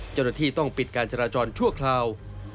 เจ้าหน้าที่ต้องปิดการจราจรชั่วคราว